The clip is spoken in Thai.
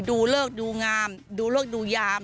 ดูเลิกดูงามดูเลิกดูยาม